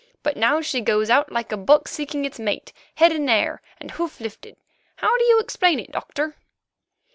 But now she goes out like a buck seeking its mate—head in air and hoof lifted. How do you explain it, Doctor?"